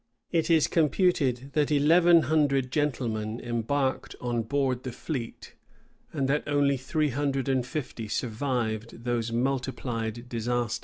It is computed, that eleven hundred gentlemen embarked on board the fleet, and that only three hundred and fifty survived those multiplied disasters.